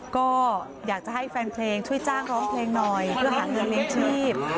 ก็อยากจะให้แฟนเพลงช่วยจ้างร้องเพลงหน่อยเพื่อหาเงินเลี้ยงชีพ